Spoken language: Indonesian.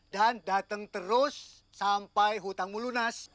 dan datang terus sampai hutangmu lunas